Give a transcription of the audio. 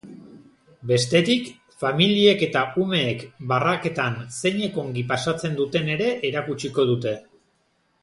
Bestetik, familiek eta umeek barraketan zeinen ongi pasatzen duten ere erakutsiko dute.